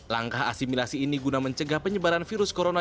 langkah asimilasi ini guna mencegah penyebaran virus corona